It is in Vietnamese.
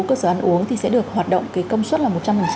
cơ sở ăn uống thì sẽ được hoạt động công suất là một trăm linh